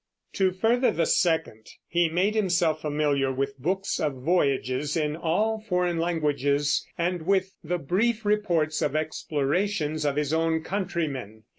To further the second he made himself familiar with books of voyages in all foreign languages and with the brief reports of explorations of his own countrymen.